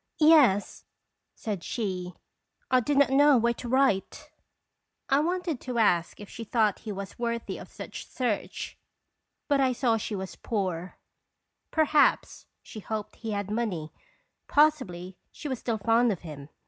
" Yes," said she. "I did not know where to write." I wanted to ask if she thought he was worthy of such search, but I saw she was Second Qlarir tiOins." 239 poor. Perhaps she hoped he had money. Pos sibly she was still fond of him.